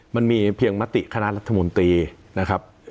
มันมีเพียงมติคณะรัฐมนตรีนะครับ